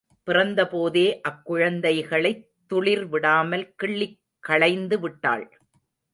பிறந்தபோதே அக்குழந்தைகளைத் துளிர்விடாமல் கிள்ளிக் களைந்து விட்டாள்.